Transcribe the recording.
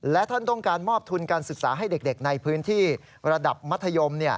และท่านต้องการมอบทุนการศึกษาให้เด็กในพื้นที่ระดับมัธยม